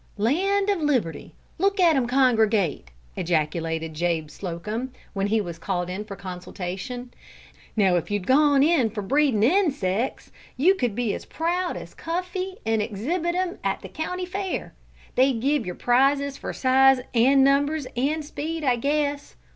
"Land of liberty! look at 'em congregate!" ejaculated Jabe Slocum, when he was called in for consultation. "Now if you'd gone in for breedin' insecks, you could be as proud as Cuffy an' exhibit 'em at the County Fair! They'd give yer prizes for size an' numbers an' speed, I guess!